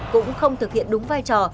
cũng không thực hiện đúng vai trò